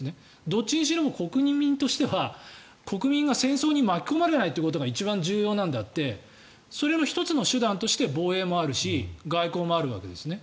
どっちにしろ国民としては国民が戦争に巻き込まれないということが一番重要なのであってそれの１つの手段として防衛もあるし外交もあるわけですね。